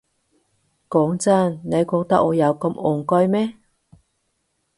講真，你覺得我有咁戇居咩？